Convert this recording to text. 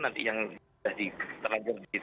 nanti yang telah